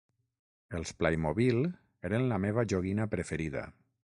Els Playmobil eren la meva joguina preferida.